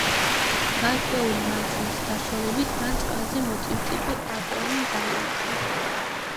გარკვეული მანძილის დაშორებით, მან წყალზე მოტივტივე აკვანი დაინახა.